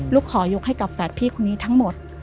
ขอยกให้กับแฝดพี่คนนี้ทั้งหมด